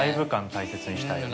大切にしたいよね